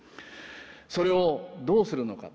それをどうするのか。